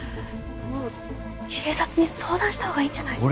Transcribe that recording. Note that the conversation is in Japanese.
もう警察に相談したほうがいいんじゃないの？